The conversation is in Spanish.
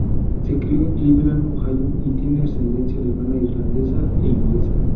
Se crio en Cleveland, Ohio, y tiene ascendencia alemana, irlandesa e inglesa.